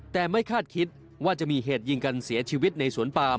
แต่ไม่คาดคิดว่าจะมีเหตุยิงกันเสียชีวิตในสวนปาม